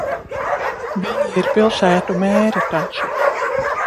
Viņi ir pilsētu mēri taču.